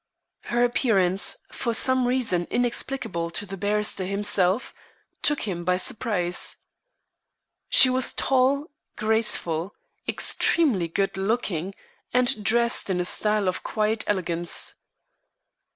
Her appearance, for some reason inexplicable to the barrister himself, took him by surprise. She was tall, graceful, extremely good looking, and dressed in a style of quiet elegance.